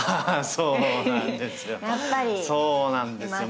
そうなんですよ。